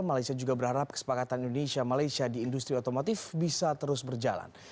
malaysia juga berharap kesepakatan indonesia malaysia di industri otomotif bisa terus berjalan